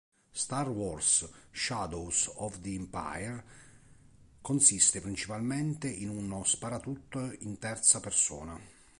Star Wars: Shadows of the Empire consiste principalmente in uno sparatutto in terza persona.